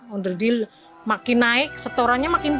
under deal makin naik setorannya makin